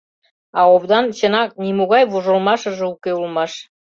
А овдан, чынак, нимогай вожылмашыже уке улмаш.